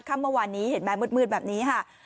ค่ำเมื่อวานนี้เห็นไหมมืดแบบนี้ค่ะ